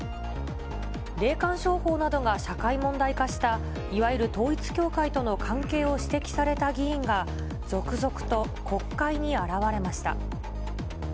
霊感商法などが社会問題化したいわゆる統一教会との関係を指摘された議員が、続々と国会に現れました。